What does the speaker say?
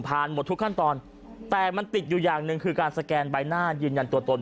หมดทุกขั้นตอนแต่มันติดอยู่อย่างหนึ่งคือการสแกนใบหน้ายืนยันตัวตน